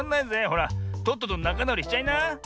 ほらとっととなかなおりしちゃいな。